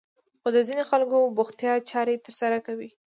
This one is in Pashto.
خو د ځينې خلکو بوختيا چارې ترسره کوي.